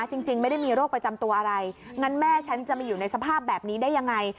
จริงไม่ได้มีโรคประจำตัวอะไรงั้นแม่ฉันจะมาอยู่ในสภาพแบบนี้ได้ยังไง